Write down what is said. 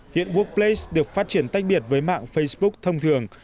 hiện workplace được phát triển tách biệt với mạng facebook thông thường